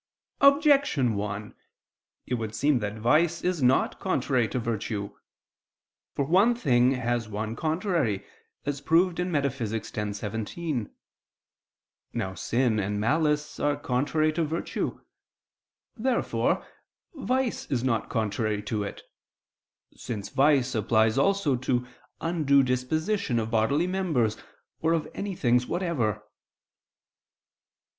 Objection 1: It would seem that vice is not contrary to virtue. For one thing has one contrary, as proved in Metaph. x, text. 17. Now sin and malice are contrary to virtue. Therefore vice is not contrary to it: since vice applies also to undue disposition of bodily members or of any things whatever.